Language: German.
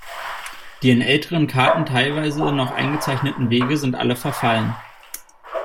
Die in älteren Karten teilweise noch eingezeichneten Wege sind alle verfallen.